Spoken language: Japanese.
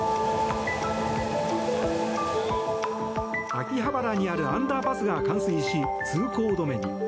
秋葉原にあるアンダーパスが冠水し、通行止めに。